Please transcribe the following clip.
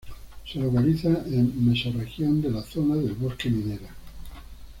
Se localiza en la Mesorregión de la Zona del bosque minera.